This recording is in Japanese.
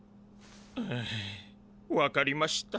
ああ分かりました。